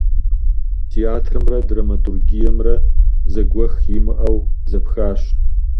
Театрымрэ драматургиемрэ зэгуэх имыӀэу зэпхащ.